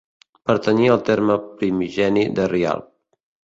Pertanyia al terme primigeni de Rialp.